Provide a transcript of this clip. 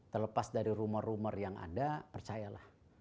terlepas dari rumor rumor yang ada percayalah